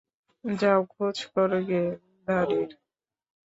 যাও খোঁজ করো গে দাড়ির।